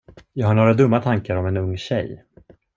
Jag har några dumma tankar om en ung tjej.